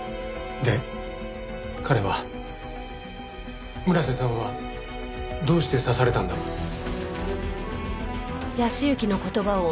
で彼は村瀬さんはどうして刺されたんだろう？